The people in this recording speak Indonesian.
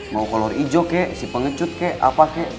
mau kolor ijo kek si pengecut kek apa kek